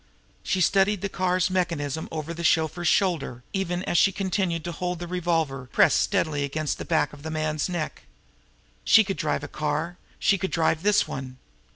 She studied the car's mechanism over the chauffeur's shoulder, even as she continued to hold her revolver pressed steadily against the back of the man's neck. She could drive a car she could drive this one.